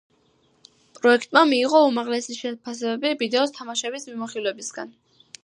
პროექტმა მიიღო უმაღლესი შეფასებები ვიდეო თამაშების მიმოხილველებისგან.